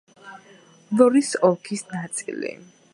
ვლორის ოლქის ნაწილი.